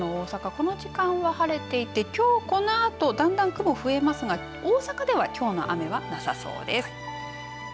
この時間は晴れていてきょうこのあと、だんだん雲増えますが、大阪ではきょうの雨はなさそうです。